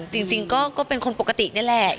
จริงก็เป็นคนปกตินี่แหละ